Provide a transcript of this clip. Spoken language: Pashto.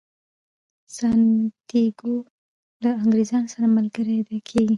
سانتیاګو له انګریز سره ملګری کیږي.